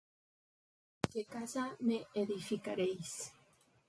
¿Qué casa me edificaréis?